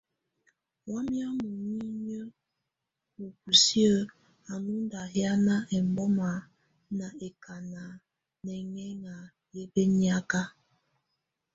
Wamɛ̀á munyinyǝ wa busiǝ́ á nù nda hiana ɛmbɔma ná ɛkana mɛŋɛŋa yɛ bɛniaka.